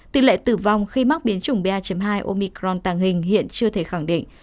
tỷ lệ tử vong khi mắc biến chủng ba hai omicron tàng hình hiện chưa thể khẳng định